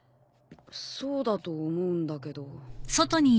そうだと思うんだけど。